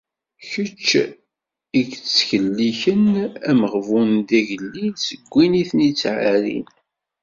Kečč i d-ittselliken ameɣbun d igellil seg win i ten-ittɛerrin.